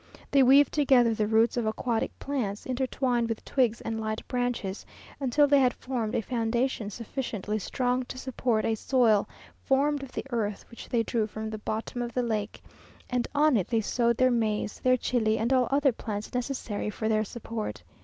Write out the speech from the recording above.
They weaved together the roots of aquatic plants, intertwined with twigs and light branches, until they had formed a foundation sufficiently strong to support a soil formed of the earth which they drew from the bottom of the lake; and on it they sowed their maize, their chili, and all other plants necessary for their support.